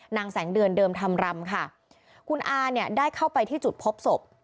นางแสงเดือนเดิมธรรมรำค่ะคุณอาเนี่ยได้เข้าไปที่จุดพบศพ